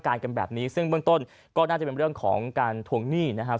กันแบบนี้ซึ่งเบื้องต้นก็น่าจะเป็นเรื่องของการทวงหนี้นะครับ